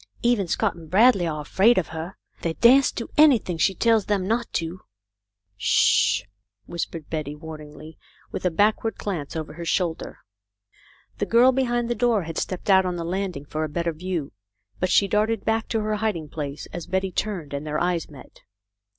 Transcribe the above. Even Scott and Bradley are afraid of her. They dasn't do anything she tells them not to." " Sh I " whispered Betty, wamingly, with a back ward glance over her shoulder. The girl behind the door had stepped out on the landing for a better view, but she darted back to her hiding place as Betty turned, and their eyes met.